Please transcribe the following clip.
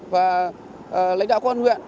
và lãnh đạo công an huyện